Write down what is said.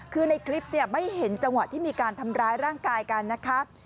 คือในคลิปไม่เห็นจังหวะที่มีการทำร้ายร่างกายกันนะคะ